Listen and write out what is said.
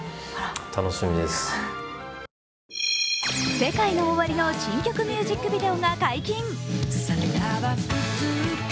ＳＥＫＡＩＮＯＯＷＡＲＩの新曲ミュージックビデオが解禁。